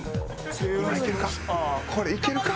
今いけるか？